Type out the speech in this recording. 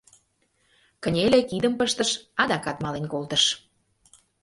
Кынеле, кидым пыштыш, адакат мален колтыш.